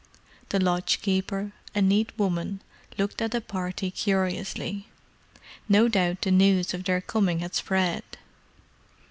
The lodgekeeper, a neat woman, looked at the party curiously: no doubt the news of their coming had spread.